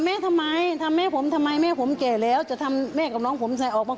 มีเพื่อนเขา